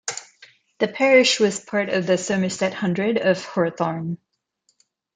The parish was part of the Somerset hundred of Horethorne.